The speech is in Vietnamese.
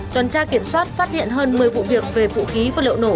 tuần tra kiểm soát phát hiện hơn một mươi vụ việc về vũ khí vật liệu nổ